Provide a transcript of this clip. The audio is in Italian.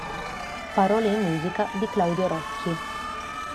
Parole e Musica di Claudio Rocchi.